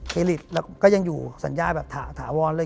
ริตแล้วก็ยังอยู่สัญญาแบบถาวรเลย